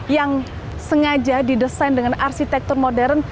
yang sengaja didesain dengan arsitektur modern